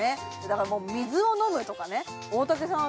だからもう水を飲むとかね大竹さん